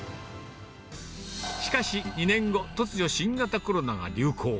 しかし２年後、突如、新型コロナが流行。